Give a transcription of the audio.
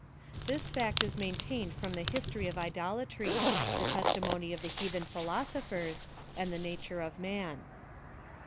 This fact is maintained from the history of idola try, the testimony of the heathen philosophers, and the nature of man.